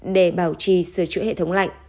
để bảo trì sửa chữa hệ thống lạnh